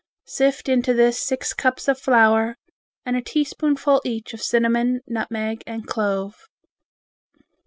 Sift into this six cups of flour and a teaspoonful each of cinnamon, nutmeg and clove.